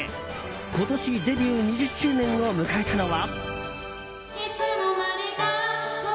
今年、デビュー２０周年を迎えたのは。